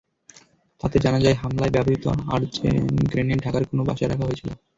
তাতে জানা যায়, হামলায় ব্যবহৃত আর্জেস গ্রেনেড ঢাকার কোন বাসায় রাখা হয়েছিল।